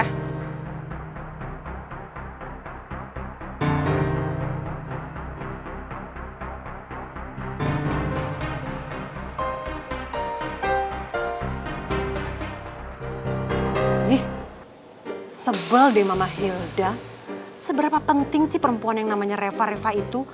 ih sebel deh mama hilda seberapa penting sih perempuan yang namanya reva reva itu